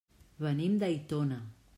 Venim d'Aitona.